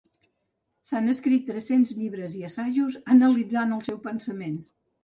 S'han escrit tres-cents llibres i assajos analitzant el seu pensament.